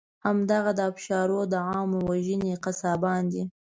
همدغه د آبشارو د عام وژنې قصابان دي.